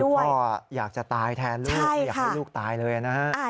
พ่ออยากจะตายแทนลูกไม่อยากให้ลูกตายเลยนะฮะ